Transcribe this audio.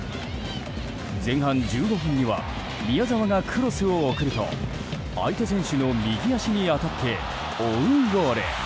前半１５分には宮澤がクロスを送ると相手選手の右足に当たってオウンゴール。